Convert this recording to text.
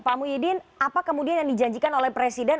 pak muhyiddin apa kemudian yang dijanjikan oleh presiden